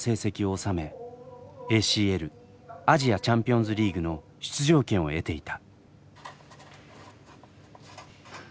ＡＣＬアジアチャンピオンズリーグの出場権を得ていた。